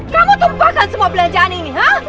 kamu tumpahkan semua belanjaan ini